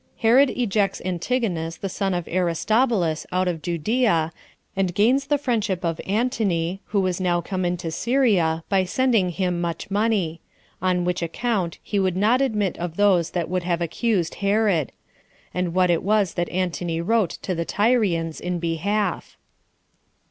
Herod Ejects Antigonus, The Son Of Aristobulus Out Of Judea, And Gains The Friendship Of Antony, Who Was Now Come Into Syria, By Sending Him Much Money; On Which Account He Would Not Admit Of Those That Would Have Accused Herod: And What It Was That Antony Wrote To The Tyrians In Behalf.